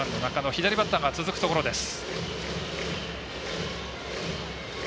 左バッターが続くところです。